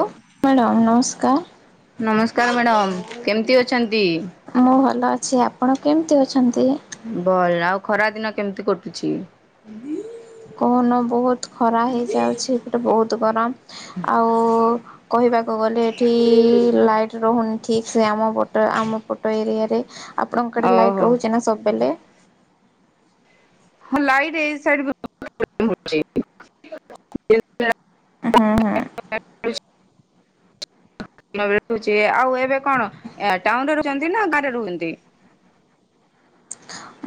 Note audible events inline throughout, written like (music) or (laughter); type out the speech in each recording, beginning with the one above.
ଓ madam ନମସ୍କାର କା ନମସ୍କାର ମ୍ୟାଡ଼ମ୍ କେମିତି ଅଛନ୍ତି? ମୁଁ ଭଲ ଅଛି ଆପଣ କେମିତି ଅଛନ୍ତି? ଭଲ ଆଉ ଖରା ଦିନ କେମିତି କଟୁଛି? କହୁନ ବହୁତ ଖରା ହେଇଯାଉଛି ଏପଟେ ବହୁତ। ବହୁତ ଗରମ ଆଉ କହିବାକୁ ଗଲେ ଏଠି ଲାଇଟ ରହୁନି ଠିକ ସେ ଆମ ପଟ ଆମ ପଟ ଏରିଆରେ ଆପଣଙ୍କ ଆଡେ ଓହୋ ଲାଇଟ୍ ରହୁଛି ନା ସବୁବେଳେ। ହଁ ଲାଇଟ ଏ ସାଇଡ ସବୁବେଳେ ପ୍ରୋବଲେମ ହଉଛି। ହୁଁ ହୁଁ ରହୁଛି ଆଉ ଏବେ କଣ ଟାଉନରେ ରହୁଛନ୍ତି ନା ଗାଁରେ ରହୁଛନ୍ତି?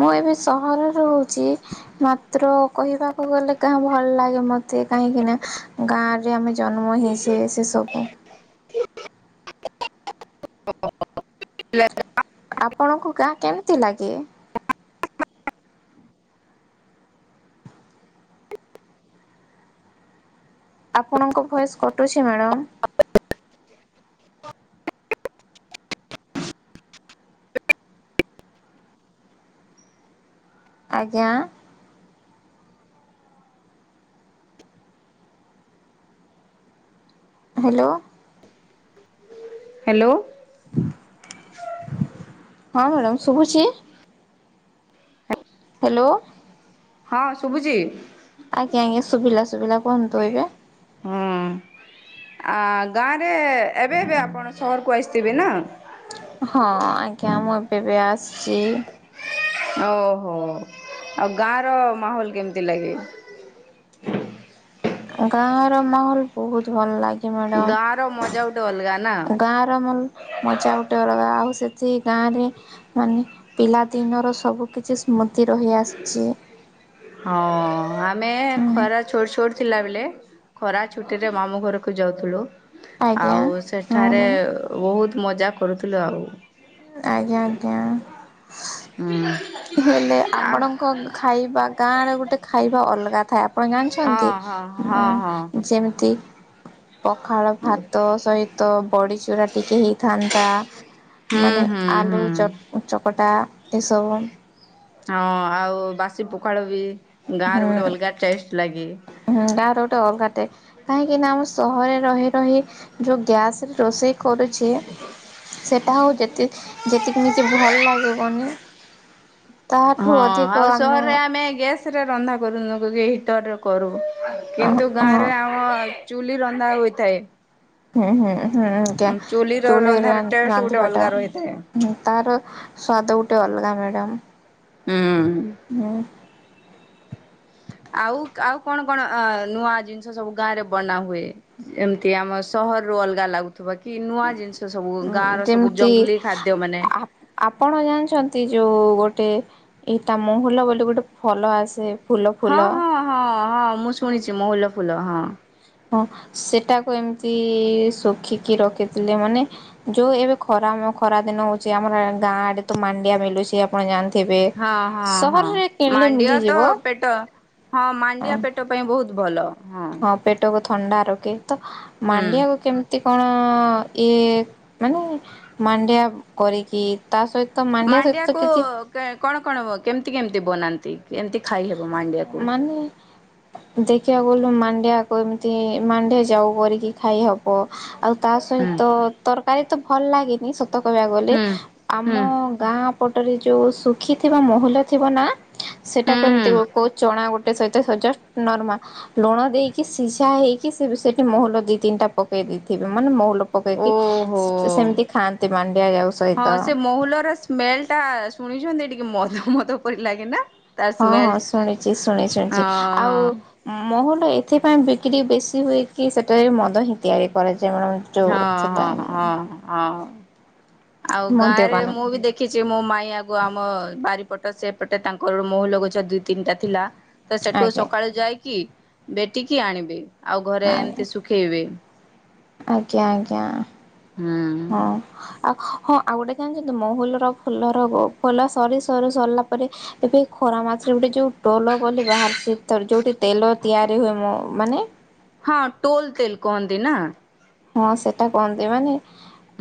ମୁଁ ଏବେ ସହରରେ ରହୁଛି। ରହୁଛି ମା ମାତ୍ର କହିବାକୁ ଗଲେ କାହା ଭଲ ଲାଗେ ମତେ କାହିଁକି ନା ଗାଁ ରେ ଆମେ ଜନ୍ମ ହେଇଛେ ସେସବୁ (unintelligible) ଆପଣଙ୍କୁ ଗାଁ କେମିତି ଲାଗେ? ଆପଣଙ୍କ ଭଏସ କଟୁଛି ମ୍ୟାଡାମ। ଆଜ୍ଞା ହ୍ୟାଲୋ ହ୍ୟାଲୋ ହଁ ମ୍ୟାଡାମ ଶୁଭୁଛି ହ୍ୟାଲୋ ହଁ ଶୁଭୁଛି। ଆଜ୍ଞା ଆଜ୍ଞା ଶୁଭିଲା ଶୁଭିଲା କୁହନ୍ତୁ ଏବେ। ହଁ ଆ ଗାଁରେ ଏବେ ଏବେ ଆପଣ ସହରକୁ ଆସିଥିବେ ନା। କାମ କେବେ ଆସଛି। ଓହୋ ଆଉ ଗାଁ ର ମାହୋଲ କେମିତି ଲାଗେ? ଗାଁ ର ମାହଲ ବହୁତ ଭଲ ଲାଗେ। ମ୍ୟାଡ଼ମ ଗାଁ ର ମଜା ଗୋଟେ ଅଲଗା ନା। ଗାଁ ର ମଜା ଗୋଟେ ଅଲଗା ଆଉ ସେ ସେ ଗାଁ ରେ ମାନେ ପିଲାଦିନର ସବୁ କିଛି ସ୍ମୃତି। ରହି ଆସିଛି। ହଁ ଆମେ ଖରା ଛୋଟ ଛୋଟ। ଥିଲା ବେଳେ ଖରା ଛୁଟି ରେ ମାମୁଁ ଘରକୁ ଯାଉଥିଲୁ। ଆଜ୍ଞା ଆଉ ହଁ ସେଠାରେ ମ୍ୟାଡ଼ାମ ବହୁତ। ମଜା କରୁଥିଲୁ ଆଉ। ଆଜ୍ଞା ଆଜ୍ଞା। ହୁଁ ହେଲେ। ଆ ଆପଣଙ୍କ ଖାଇବା ଗାଁରେ ଗୋଟେ ଖାଇବା ଅଲଗା। ଲାଥା। ପଣ ହଁ ଜାଣିଛନ୍ତି ହଁ ଅ ହଁ ହଁ ଯେମିତି। ପଖାଳ ଭାତ ସହିତ ବଡି ଚୂୁରା ଟିକେ ହେଇଥାନ୍ତା। ହୁଁ ମାନେ ହୁଁ ଆଲୁ ହୁଁ। ଚ ଚକଟା। ଏସବୁ। ହଁ ଆଉ ବାସି ପୋଖାଳ ବି। ହୁଁ ଗାଁର ଗୁଟ ଅଲଗା ଟେଷ୍ଟ ଲାଗେ। ଅଗୋଟେ କାହିଁକି ନା ଆମ ସହରରେ ରହି ରହି ଯୋଉ ଗ୍ୟାସ ରୋଷେଇ କରୁଛେ ସେଟା ହଉ ଯେ ଯେତିକିମ ଭଲ ଲାଗେ। କନି। ହଁ ଆଉ ସହରରେ ଆମେ ଗେସ୍ ସେ ରନ୍ଧା କରୁନକରୁ ଏ ହିଟରରେ କରୁ। ହଁ କିନ୍ତୁ ହଁ ଗାଁରେ ଆମ। ଚୁଲି ରନ୍ଧା ହୋଇଥାଏ। ହୁଁ ହୁଁ। ହୁଁଆଜ୍ଞା ଚୁଲିର ଚୁଲି ରନ୍ଧାର ଟେଷ୍ଟ ଗୋଟେ ରାନ୍ଧିବା ଟା ଅଲଗା ରହିଥାଏ। ତାର ସ୍ଵାଦ ଗୋଟେ ଅଲଗା ମିଳେ। କମ। ହୁଁ। ହଁ। ଆଉ ଆଉ କଣ କଣ ନୂଆ ଜିନିଷ ସବୁ ଗାଁ ରେ ବନାହୁଏ। ଏମିତି ଆମ ସହର ରୁ ଅଲଗା ଲାଗୁଥି ବାକି ନୂଆ ଜିନିଷ ସବୁ ଗାଁ ର ସବୁ ଯେମିତି ଜଙ୍ଗଲୀ ଖାଦ୍ୟ ମାନେ। ଆ ଟେ ଏଇ ତା ମହୁଲ ବୋଲି ଗୋଟେ ଫଲ ଆସେ। ଫୁଲ ହଁ, ଫୁଲ ହଁ, ହଁ ହଁ ମୁଁ ଶୁଣିଛି ମହୁଲ ଫୁଲ ହଁ। (unintelligible) ହଁ ସେଟାକୁ ଏମତି ଶୁଖିକି ରଖିଥିଲେ। ମାନେ ଯୋଉ ଏବେ ଖରାମ ଖରା ଦିନ ହଉଚି ଆମର ଗାଁ ଆଡେ ତ ମାଣ୍ଡିଆ ମିଲୁଛି ଆପଣ ଯାଆ ହଁ, ହଁ, ହଁ ମାଣ୍ଡିଆ ତ ମିଳିଯିବ ପେଟ ହଁ ମାଣ୍ଡିଆ ପେଟ ପାଇଁ ବୋହୁତ୍ ଭଲ। ହଁ ପେଟ କ ଥଣ୍ଡା ରକେ। ତ ହୁଁ। ମାଣ୍ଡିଆକୁ କେମ ଏତେ କଣ ଇଏ ମାନେ ମାଣ୍ଡିଆ କରିକି। ତା ସହିତ ମାଣ୍ଡିଆ ସହିତ ମାଣ୍ଡିଆକୁ କିଛି କଣ କଣ ବ-କେମିତି କେମିତି ବନାନ୍ତି କେମତି ଖାଇ ହେବ ମାଣ୍ଡିଆକୁ। ଦେଖିବା ଗଲୁ ମାଣ୍ଡିଆକୁ ଏମିତି ମାଣ୍ଡିଆ ଯାଉ କରିକି ଖାଇହବ। ଆଉ ତା ହୁଁ ସହିତ ତରକାରୀ ତ ଭଲ ଲାଗେନି ସ ତ କହିବାକୁ ଗଲେ ହୁଁ ଆମ ହୁଁ ଗାଁ ପଟରେ ଯୋଉ ଶୁଖି ଥିବା ମହୁଲ ଥିବ ନା ହୁଁ ହୁଁ କେମତି ଗ-କ-ଚଣା ଗୋ ତା ସହିତ ସଜା ନରମା ଲୁଣ ଦେଇକି ସିସା ହେଇକି ସେ-ସେଠି ମହୁଲ ଦି ତିନିଟା ପକେଇ ଦେଇଥିବେ ମାନେ ମହୁ ଓହୋ ମାଣ୍ଡିଆ ଯାଉ ହଁ ସହିତ। ସେ ମହୁଲର ସ୍ମେଲ ଟା ଶୁଣିଛନ୍ତି ଟି (unintelligible) ମଦ ମଦ ପରି ଲାଗେ ନା? ତା ହଁ ହଁ ସ୍ମେଲ ଶୁଣିଚି ଶୁଣି ଶୁଣିଚି ଆଉ ଉଁ, ହଁ ମହୁ ଏ ଏଥିପାଇଁ ବିକ୍ରି ବେଶୀ ହୁଏକି ସେଠାରେ ମଦ ହିଁ ତିଆରି କରାଯା ହଁ, ହଁ, ହଁ, ହଁ। ଆଉ ଗାଁ ରେ ମଦ୍ୟପାନ ମୁଁ ବି ଦେଖିଚି, ମୋ ମାଇଁ ଆକୁ ଆମ ବାରି ପଟ ସେପଟେ ତାଙ୍କର ମହୁଲ ଗଛ ଦୁଇ ତିନିଟା ଥିଲା। ତ ସେଠୁ ଆଜ୍ଞା ସକାଳେ ଯାଇକି ବେଟିକି ଆଣିବି। ଆଉ ଘରେ ଆଜ୍ଞା ଏମିତି ଶୁଖେଇବେ। ଆଜ୍ଞା ଆଜ୍ଞା। ହୁଁ। ହଁ ଆ, ଖ ହଁ ଆଉ ଗୋଟେ ଜାଣିଚନ୍ତି, ମହୁଲର ଫୁଲର ବ-ଫୁଲ ସରି ସରି ସରିଲା ପରେ ଏବେ ଖରା ମାଛରେ ଗୁଟେ ଯୋଉ ଟୋଲ ବୋଲି ବାହାରିଛି ତର ଯୋଉଠି ତେଲ ତିଆରି ହୋଇ ମୋ ମାନେ ହଁ ଟୋଲ ତେଲ କହନ୍ତି ନା? ହଁ ସେଟା କୁହନ୍ତି ମାନେ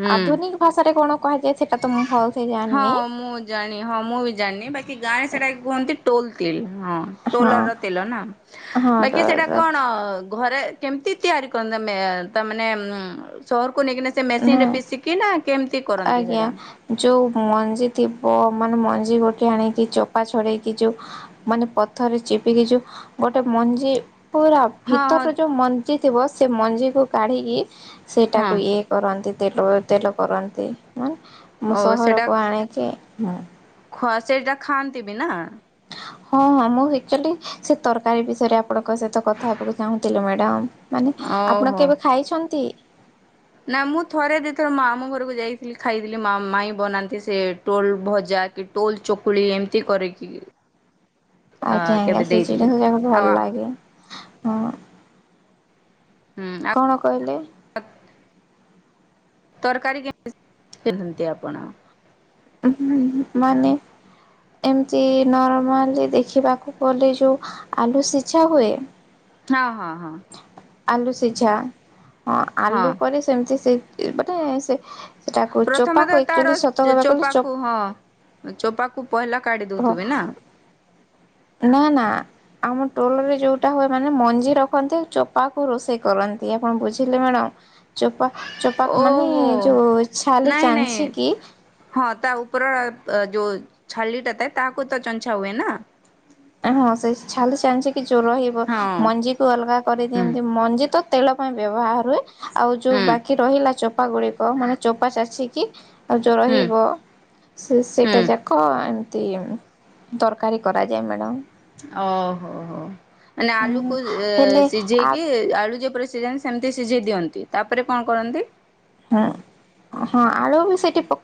ହୁଁ। ଆଧୁନିକ ଭାଷାରେ କଣ? କୁହାଯାଏ ସେଟ ତ ଭଲ ହଁ ମୁଁ ଜାଣିନି ହଁ ମୁଁ ବି ଜାଣିନି ବାକି ଗାଁ ସେଟା କୁହନ୍ତି। ଟୋଲତିଲ। ହଁ ଟୋଲ ର ତେଲ ନା ହଁ ବାକି ସେଟା ହଁ କଣ? ଘରେ କେମିତି ତିଆରି କରନ୍ତିମେ ତାନେ ଉ ସହ ନେଇକି ନା ସେ ମେସିନ ରେ ପିଶିକି ନା କେମି ଆଜ୍ଞା ଯୋଉ। ମଞ୍ଜି ଥିବ ମାନେ ମଞ୍ଜି ଗୋଟେ ଆଣିକି ଚୋପା ଛଡେଇକି ଯୋଉ ମାନେ ପଥରେ ଚିପିକି ଯୋଉ ଗୋଟେ ମଞ୍ଜି ପୁରା ହଁ ହଁ ଭିତର ଯୋଉ ମ ଜି ଥିବ ସେ ମଞ୍ଜିକୁ କାଢ଼ିକି। ହଁ ସେଇଟାକୁ ଇଏ କରନ୍ତି। ତେଲ ତେଲ କରନ୍ତି। ସେ। ମାନେ ଓ ମୁଁ ସହରକୁ ଆଣିକି ହଁ। ହଁ ସେଇଟା ଖାଆନ୍ତି ବି ନା। ହଁ ହଁ ମୁଁ ହେଇଚି ସେ ତରକାରୀ ବିଷୟରେ ଆ ଆପଣଙ୍କ ସହିତ କଥା ହେବାକୁ ଚାହୁଁଥିଲୁ ମ୍ୟାଡ଼ାମ ମାନେ ଆପଣ ଓହୋ। କେବେ ଖାଇଛନ୍ତି। ନା ମୁଁ ଥରେ ଦି ଥର ମାମୁଁ ଘରକୁ ଯାଇଥିଲି ଖାଇଥିଲି ମାଇ ବନାନ୍ତି ସେ ଟୋଲ ଭଜା କି ଟୋଲ ଚକୁଳି ଏମିତି କରିକି। ଅ ଆଜ୍ଞା ଆଜ୍ଞା କେବେ ସେଇ ଦେଇଥିଲେ ଚିଟ ଯାକୁ ଆଉ ଭଲ ଲାଗେ। ହଁ। ହୁଁ କଣ କହିଲେ। ତରକାରୀ କେମିତି ଆପଣ ମାନେ ଏମିତି ନର୍ମାଲି ଦେଖିବାକୁ ଗଲେ ଯୋଉ ଆଲୁ ସିଝା ହୁଏ। ହଁ ହଁ ହଁ। ଆଲୁ ସିଝା। ହଁ ଆଲୁ ପ ସେମିତି ସେ ମାନେ ସେ ସେଟାକୁ ପ୍ରଥମେ ଚୋପାକୁ ତ ତାର ଆକ୍ଚୁଆଲି ସତ କହିବାକୁ ଗଲେ ଚୋପ ଚୋପାକୁ ହଁ ଚୋପାକୁ ପହିଲା କାଢ ଦେଉ ହଁ ଥୁବେନା। ନା ନା ଆମ ଟୋଲରେ ଯୋଉଟା ହୁଏ ମାନେ ମଞ୍ଜି ରଖନ୍ତି ଚୋପା କୁ ରୋଷେଇ କରନ୍ତି ଆପଣ ବୁଝିଲେ ମ୍ୟାଡ଼ାମ। ଚୋପା ଚୋପାକୁ ମାନେ ଓହୋ ଯୋଉ ଇ ଛାଲି ନାଇଁ ନାଇଁ ଚାଛି କି। ହଁ ତା ଉପର ଯୋଉ ଛାଲିଟା ଥାଏ ତାହାକୁ ତ ଚଛା ହୁଏ ନା। ହଁ ସେଇ ଛାଲି ଚାଛି କି ଜୋ ରହିବ ହଁ ମଞ୍ଜିକୁୁ ଅଲଗା ହୁଁ କରିଦିଅନ୍ତି ମଞ୍ଜି ତ ତେଲ ପାଇଁ ବ୍ୟବହାର ହୁଏ। ଆଉ ଯୋଉ ହୁଁ ବାକି ରହିଲା ଚ ଚୋପା ଗୁଡିକ ମାନେ ଚୋପା ଚାଛି କି ଆଉ ଯେଉଁ ହୁଁ ରହିବ ସେ ହୁଁ ସେଇଟା ଯାକ ତରକାରୀ କରାଯାଏ ମା ହ୍ୟାଲ ଓହୋ ହୋ। ମନେ ଆଳୁକୁ ହେଲେ ଆ ସିଝେଇ କି ଆଳୁ ଯେ ପ ସ ସେମିତି ସିଝେଇ ଦିଅନ୍ତି ତାପରେ କଣ କରନ୍ତି ହୁଁ ହଁ ଆଳୁ ବି ସେଇଠି ପ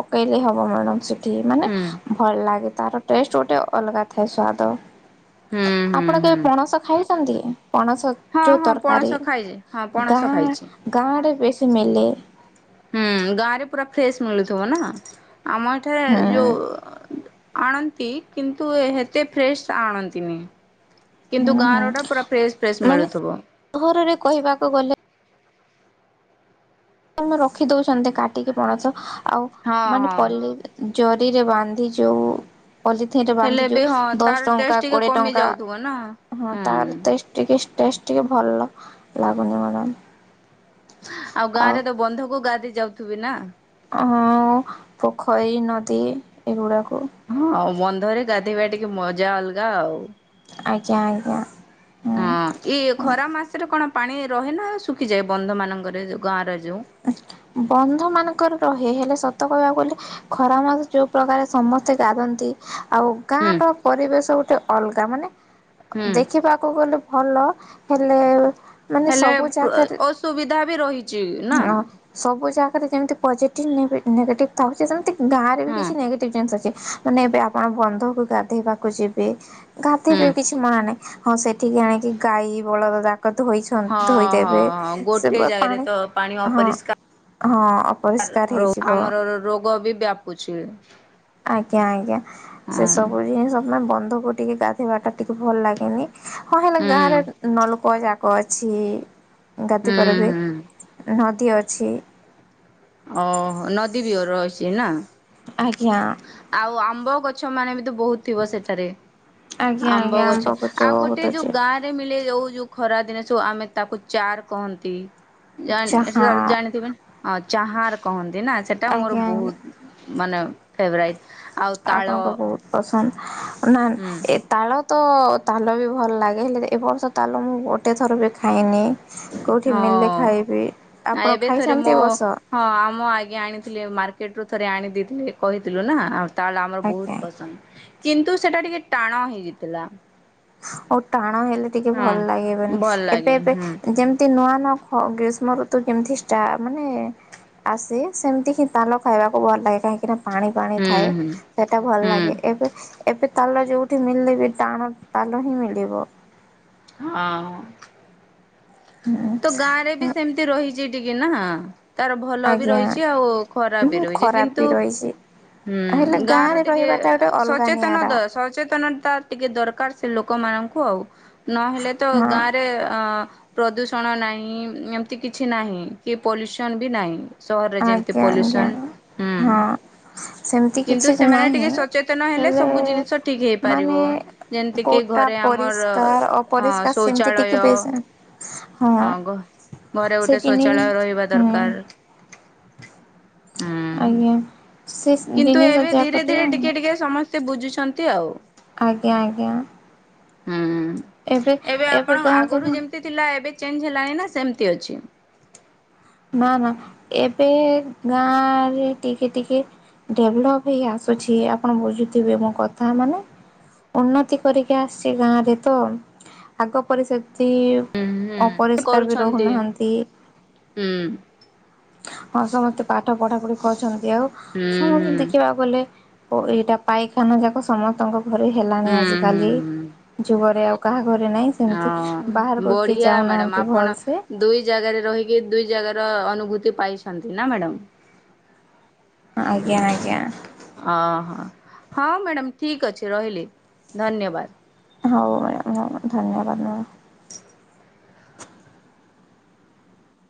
ପକେଇଦେଇ ହବ ମ୍ୟାଡ ମାନେ ହୁଁ ଭଲ ଲାଗେ ତାର ଟେଷ୍ଟ ଗୋଟେ ଅଲଗା ଥାଏ ସ୍ଵାଦ। ହୁଁ ହୁଁ ଆପଣ କେହି ହୁଁ ପଣସ ଖାଇଛନ୍ତି ପଣସ? ହଁ ଉଜଉ ହଁ ତରକାରୀ ପଣସ ଖାଇଛି ହଁ ପଣସ ଗା ଖାଇଛି। ଗାରେ ବେଶ ମିଲେ। ହୁଁ ଗାଁ ରେ ପୁରା ଫ୍ରେଶ ମିଳୁଥିବ ନା। ଆମ ଏଠାରେ ହୁଁ ଯୋଉ ଆଣନ୍ତି କିନ୍ତୁ ଏତେ ଫ୍ରେଶ୍ ଆଣନ୍ତିନି। କିନ୍ତୁ ହୁଁ ହୁଁ ଗାଁରଟା ପୁରା ଫ୍ରେଶ୍ ଫ୍ରେଶ୍ ମାନେ ମିଳୁଥିବ ସହରରେ କହିବାକୁ ଗଲେ ରଖି ଦଉଛନ୍ତି କାଟିକି ପଣସ ଆଉ ହଁ ମାନେ ହଁ। ପିଲେ ଜରିରେ ବାନ୍ଧି ଯେଉଁ ପଲିିଥିନରେ ହେଲେ ବାନ୍ଧି ବି ଯୋଉ ହଁ ତାର ଦଶ ଟଙ୍କା ଟେଷ୍ଟ ଟିକେ କୋଡିଏ କମି ଟଙ୍କା ଯାଉଥିବ ନା ହଁ ହୁଁ। ତାରଟେ ତେ ଟିକେ ଭଲ ଲାଗୁନି ମ୍ୟାଡ଼ାମ। ଆଉ ଗାଁ ରେ ତ ବନ୍ଧୁ ଗାଧ ଯାଉଥିବେ ନା ହ ପୋଖରୀ ନଦୀ ଏଗୁଡାକୁ ହଁ ବନ୍ଧରେ ଗାଧୋଇବା ଟିକେ ମଜା ଅଲଗା ଆଉ। ଆଜ୍ଞା ଆଜ୍ଞା। ହଁ ହୁଁ ଏଇ ଖରା ମାସରେ କଣ ପାଣି ରହେ ନା ଶୁଖିଯାଏ ବନ୍ଧ ମାନଙ୍କରେ ଯଉଁ ଗାଁରେ ବନ୍ଧ ମାନଙ୍କର ରହ ହେ ହେଲେ ସତ କହିବାକୁ ଗଲେ ଖରା ମାସ ଯୋଉ ପ୍ରଜାର ସମସ୍ତେ ଗାଧନ୍ତି ଆଉ ହୁଁ। ଗାଁର ପରିବେଶ ଗୋଟେ ଅଲଗା ମାନେ ହୁଁ ଦେଖିବାକୁ ଗଲେ ଭଲ ହେଲେ ମାନେ ହେଲେ ସବୁ ଜାଗାରେ ଅସୁବିଧା ବି ରହିଛି ହଁ ସବୁଜା ରେ ଯେମିତି ପଜିଟିଭ ନେଗେଟିଭ୍ ଥାଉଛି ସେମିତି ଗାଁରେ ବି କିଛି ନେଗେଟିଭ ଜନ୍ସ ଅଛି। ମାନେ ଏବେ ଆପଣ ବନ୍ଧକୁ ଗାଧେଇବାକୁ ଯିବେ। ଘାଧ ହୁଁ ବି କିଛି ମଣା ନାହିଁ। ହଁ ସେଠିକି ଆଣିକି ଗାଈ ବଳଦଦା। ଧୋଇ ହଁ ହଁ ଧୋଇଦେବେ ହଁ ସେ ଗୋଟେ ଜାଗାରେ ପାଣି ତ ପାଣି ହଁ ହଁ ଅପରିଷ୍କାର ଅପରିଷ୍କାର ହେଇଯିବ। ଆମର ରୋଗ ବି ବ୍ୟାପୁଛି। ହ ଆଜ୍ଞା ଆଜ୍ଞା ସେ ସବୁ ଜିନଷେ ବ ଧକୁ ଟିକେ ଗାଧୋଇବାଟା ଟିକେ ଭଲ ଲାଗେନି। ହଁ ହେଲା ହୁଁ ଗାଁ ରେ ନଲକ ଯା ଗଛି। ଗାତି ହୁଁ ପ ବି ହୁଁ ନ ଅଛି। ଓ ନଦୀ ବିହ ର ଅହିଛି ନା। ଆଜ୍ଞା। ଆଉ ଆମ୍ବ ଗଛ ମାନେ ବହୁତ ଥିବ ସେଠାରେ ଆଜ୍ଞା ଆମ୍ବ ଆଜ୍ଞା ଗଛ ଆଉ ବହୁତ ଗୋଟେ ଅଛି ଯୋଉ ଗାଁ ରେ ମିଳେଳି ଯାଉଉ। ଯୋଉ ଖରା ଜିନିଷ ଆମେ ତାକୁ ଚାର କହନ୍ତି। ଚାହା ଜାଣି ଜାଣିଥିବେ ହଁ ଚାହାର କହନ୍ତି ନା ସେଟା ମୋର ଆଜ୍ଞା ଆଜ୍ଞା। ବହୁତ ମାନେ ଫେବରାଇଟ୍ ଆପଣଙ୍କ ବହୁତ ପସନ୍ଦ। ସ ନା ହୁଁ ଏ ତାଳ ତ ତାଲ ବି ଭଲ ଲାଗେ ହେଲେ ଏ ବର୍ଷ ତାଲ ମୁଁ ଗୋଟେ ଥର ବି ଖାଇନି। କୋଉଠି ମିଳିଲେ ଖାଇବି ହଁ ଆପଣ ଏବେ ଥରେ ଖାଇଛନ୍ତି ମୁଁ ଏ ବର୍ଷ ହଁ ଆମ ଆଗଞେ ଆଣିଥିଲି ମାର୍କେଟରୁୁ ଥରେ ଆଣି ଦେଇଥିଲେ କହିଥିଲୁ ନା ଆଉ ତାଳ ଆମର ଆଜ୍ଞା। ବହୁତ ପସନ୍ଦ। କିନ୍ତୁ ସେଟା ଟିକେ ଟାଣ ହେଇଯାଇଥିଲା। ଆଉ ଟାଣ ହେଲେ ଟିକେ ହଁ। ଭଲ ଲାଗିବନି ଭଲ ଏବେ ଲାଗେନି ଏବେ ହୁଁ ଯେମିତି ନୂଆ ନା ଫ ଗ୍ରୀଷ୍ମ ଋତୁ ଯେମିତି କି ଷ୍ଟା ମାନେ ଆସେ ସେମିତି ହି ତାଲ ଖାଇବାକୁ ଭଲ ଲାଗେ କାହିଁକି ନା ପାଣି ପାଣି ହୁଁ ଥାଏ ହୁଁ ସେଇଟା ଭଲ ଲାଗେ ହୁଁ ଏବେ ଏବେ ତାଲ ଯୋଉଠି ମିଲେ ବି ଟାଣ ତାଲହୀ ମିଳିବ। ହଁ ହୁଁ ତ ଗାଁ ରେ ବି ସେମିତି ରହିଛି। ଯେ ଟିକିନା। ତାର ଭଲ ବି ଆଜ୍ଞା ରହିଛି ଆଉ ଖରାପ ବି ମୁଁ ରହିଛି ଖରାପ କିନ୍ତୁ ବି ରହିଛି। ହଁ ହେଲେ ଗାଁ ର ଗାଁରେ ଟିକେ ରହିବାଟା ଗୋଟେ ଅଲଗା ସଚେତନ ନିଆରା ସଚେତନତା ଟିକେ ଦରକାର ସେ ଲୋକମାନଙ୍କୁ ହ ଆଉ। ନହେଲେ ତ ହଁ ଗାଁରେ ଅ ପ୍ରଦୂଷ ଣ ନାହିଁ ଏମିତି କିଛି ନାହିଁ କି ପଲ୍ୟୁସନ୍ ବି ନାହିଁ। ସହରରେ ଯେମିତି ଆଜ୍ଞା ଆଜ୍ଞା ପଲ୍ୟୁସନ ହୁଁ ହଁ ସେମିତି କିନ୍ତୁ କିଛି ସେମାନେ ନାହିଁ ଟିକେ ସଚେତନ ହେଲେ ସବୁ ଜିନିଷ ଠିକ ହେଇପାରିବ ମାନେ ଯେମିତି କିି କୋଉଟା ଘରେ ଆମର ପରିଷ୍କାର ଅ ଅପରିଷ୍କାର ସେମିତି ଟିକେ ଶୌଚାଳୟ ବେଶ ହଁ ଘରେ ସେ ଗୋଟେ ଜିନି ଶୌଚାଳୟ ରହିବା ହୁଁ ଦରକାର। ହୁଁ। ଆଜ୍ଞା ସେ କିନ୍ତୁ ଜିନିଷ ଏବେ ଧୀରେ ଯାକରେ ଧୀରେ ଟିକେ ଟିକେ ସମସ୍ ଏତେ ବୁଝୁଛନ୍ତି ଆଉ। ଆଜ୍ଞା ଆଜ୍ଞା ହୁଁ ଏବେ ଆପଣ ଆଗରୁ ଯେମିତି ଥିଲା ଏବେ ଚେଞ୍ଜ ହେଲାଣି ନା ସେମତି ଅଛି? ନା ନା ଏବେ ଗାଁରେ ଟିକେ ଟିକେ ଡେଭଲପ ହେଇ ଆସୁଛି ଆପଣ ବୁଝୁଥିବେ ମୋ କଥା ମାନେ ଉନ୍ନତି କରିକି ଆସିଛି ଗାଁରେ ତ ଆଗ ପରି ସେ ଅତି କରୁଛନ୍ତି ହୁଁ ଅପରିଷ୍କାର ବି କରୁଛନ୍ତି। ରହୁନାହାନ୍ତି। ହ (inaudible) ହଁ ସମସ୍ତେ ପାଠ ପଢାପଢି କରଛନ୍ତି। ଆଉ ହୁଁ। ସମସ୍ତେ ଦେଖିବାକୁ ଗଲେ ଓ ଏଇଟା ପାଇଖାନ ଯାକ ସମସ୍ତଙ୍କ ଘରେ ହେଲାଣି ହୁଁ ହୁଁ ଆଜିକାଲି ହୁଁ ଯୁଗରେ ଆଉ କାହା ଘରେ ନାହିଁ ସେମିତି ହଁ ବାହାରକୁ କିଏ ବଢିଆ ମ୍ୟାଡାମ ଯାଉନାହାନ୍ତି ଆପଣ ଭଲସେ ଦୁଇ ଜାଗାରେ ରହିକି ଦୁଇ ଜାଗାର ଅ ଅନୁଭୂତି ପାଇଛନ୍ତି ନା ମ୍ୟାଡାମ୍। ଆଜ୍ଞା ଆଜ୍ଞା। ଅ ହ ହଁ ମ୍ୟାଡ଼ାାମ ଠିକ ଅଛି ରହିଲି ଧନ୍ୟବାଦ। ହଉ ମ୍ୟାଡ଼ାମ ହଉ ଧନ୍ୟବାଦ ମ୍ୟାଡ଼ାମ